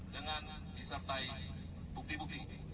dengan disertai bukti bukti